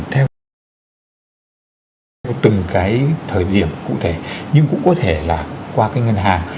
theo tình trạng của từng cái thời điểm cụ thể nhưng cũng có thể là qua cái ngân hàng